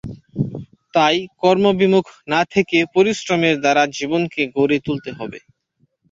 তাই কর্মবিমুখ না থেকে পরিশ্রমের দ্বারা জীবনকে গড়ে তুলতে হবে।